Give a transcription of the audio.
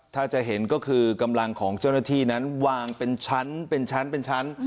ถ้าจะเห็นก็คือกำลังของเจ้าหน้าที่นั้นวางเป็นชั้นเป็นชั้นเป็นชั้น